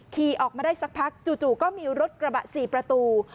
ขี่ออกมาได้สักพักจู่ก็มีรถกระบะ๔ประตู